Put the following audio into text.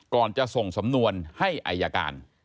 ก่อนจะส่งสำนวนให้อายการ